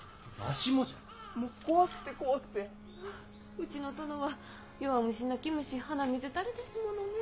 うちの殿は弱虫泣き虫鼻水垂れですものね。